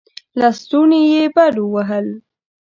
لستوڼې يې بډ ووهل.